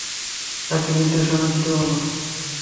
তাকে নির্দেশনা দিতে বলো।